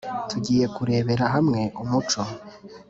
Tugiye kurebera hamwe umuco